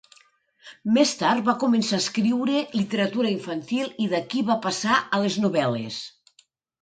Més tard va començar a escriure literatura infantil i d'aquí va passar a les novel·les.